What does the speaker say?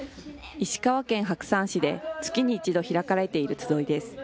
石川県白山市で、月に１度開かれている集いです。